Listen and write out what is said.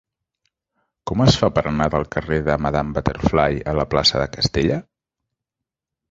Com es fa per anar del carrer de Madame Butterfly a la plaça de Castella?